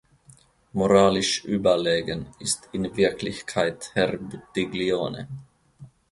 Moralisch überlegen ist in Wirklichkeit Herr Buttiglione.